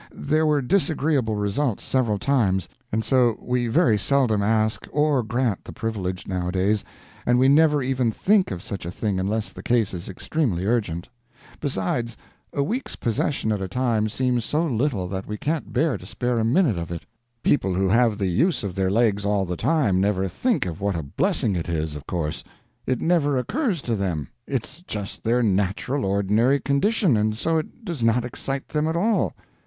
There were disagreeable results, several times, and so we very seldom ask or grant the privilege, nowadays, and we never even think of such a thing unless the case is extremely urgent. Besides, a week's possession at a time seems so little that we can't bear to spare a minute of it. People who have the use of their legs all the time never think of what a blessing it is, of course. It never occurs to them; it's just their natural ordinary condition, and so it does not excite them at all.